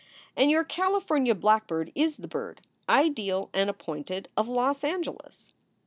and your Cali fornia blackbird is the bird, ideal and appointed, of Los Angeles."